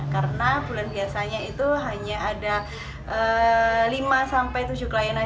karena bulan biasanya itu hanya ada lima tujuh klien saja